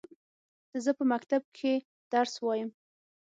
زه په مکتب کښي درس وايم.